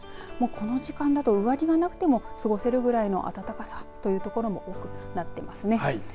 この時間だと、上着がなくても過ごせるぐらいの暖かさという所もありますね。